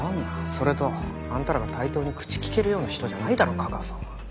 それとあんたらが対等に口利けるような人じゃないだろ架川さんは。